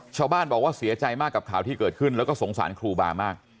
ชาวบ้านบอกว่าเสียใจมากกับข่าวที่เกิดขึ้นแล้วก็สงสารครูบามาก